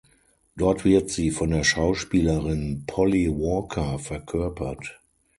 Dort wird sie von der Schauspielerin Polly Walker verkörpert.